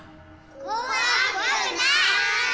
怖くない！